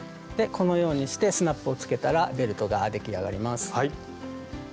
このようにしてスナップをつけたらベルトが出来上がります。